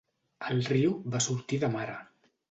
El riu va sortir de mare.